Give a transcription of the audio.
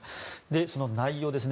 その内容ですね。